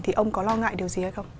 thì ông có lo ngại điều gì hay không